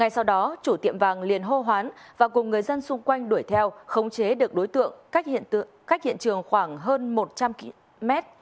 sau đó chủ tiệm vàng liền hô hoán và cùng người dân xung quanh đuổi theo khống chế được đối tượng cách hiện trường khoảng hơn một trăm linh m